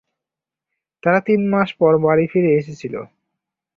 তারা তিন মাস পর বাড়ি ফিরে এসেছিল।